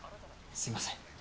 すいません。